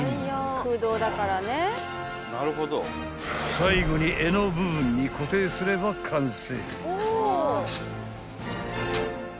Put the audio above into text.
［最後に柄の部分に固定すれば完成］